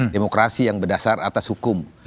demokrasi yang berdasar atas hukum